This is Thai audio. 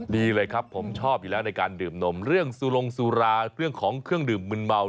ดีเลยครับผมชอบอยู่แล้วในการดื่มนมเรื่องสุลงสุราเรื่องของเครื่องดื่มมืนเมา